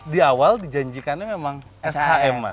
di awal dijanjikannya memang shm mas